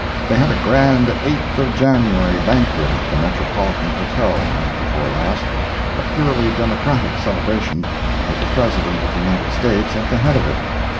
They had a grand Eighth of January banquet at the Metropolitan Hotel night before last, a purely Democratic celebration, with the President of the United States at the head of it.